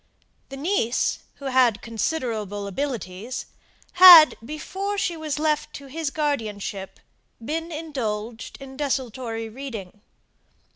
The niece, who had considerable abilities, had, before she was left to his guardianship, been indulged in desultory reading.